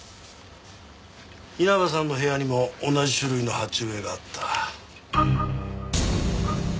稲葉さんの部屋にも同じ種類の鉢植えがあった。